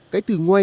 cái từ ngoài